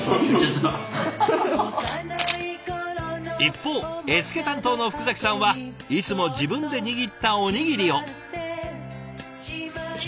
一方絵付け担当の福崎さんはいつも自分で握ったおにぎりを。